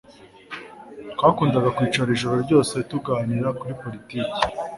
Twakundaga kwicara ijoro ryose tuganira kuri politiki